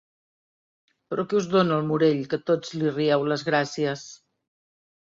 Però què us dóna el Morell que tots li rieu les gràcies?